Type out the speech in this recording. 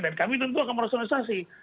dan kami tentu akan merationalisasi